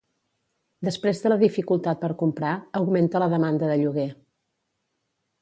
Després de la dificultat per comprar, augmenta la demanda de lloguer.